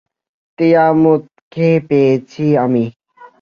তিয়ামুতকে পেয়েছি আমি।